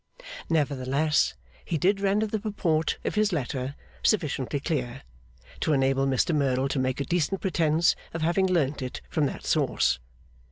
Nevertheless, he did render the purport of his letter sufficiently clear, to enable Mr Merdle to make a decent pretence of having learnt it from that source.